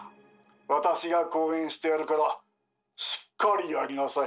私が後援してやるからしっかりやりなさい。